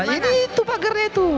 ini itu pagernya tuh